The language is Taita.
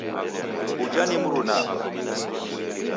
Ujha ni mruna apa.